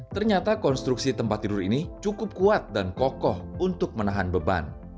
ternyata konstruksi tempat tidur ini cukup kuat dan kokoh untuk menahan beban